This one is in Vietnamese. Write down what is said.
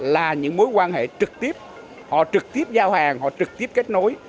là những mối quan hệ trực tiếp họ trực tiếp giao hàng họ trực tiếp kết nối